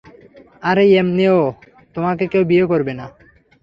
আর এমনে ও, তোমাকে কেউ বিয়ে করবে না।